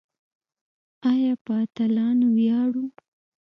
آیا په اتلانو ویاړو؟